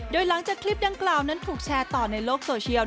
โดยหลังจากคลิปดังกล่าวนั้นถูกแชร์ต่อในโลกโซเชียล